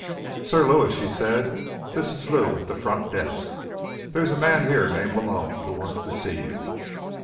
"Sir Lewis," she said, "this is Lou, at the front desk. There's a man here named Malone, who wants to see you."